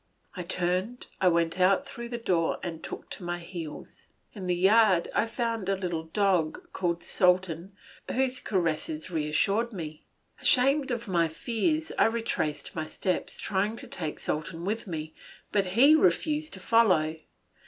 I turned, I went out through the door, and took to my heels. In the yard I found a little dog, called Sultan, whose caresses reassured me. Ashamed of my fears, I retraced my steps, trying to take Sultan with me, but he refused to follow.